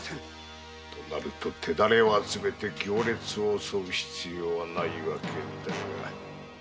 となると手だれを集めて行列を襲う必要はなくなったが。